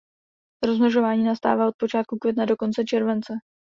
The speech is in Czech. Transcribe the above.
Rozmnožování nastává od počátku května do konce července.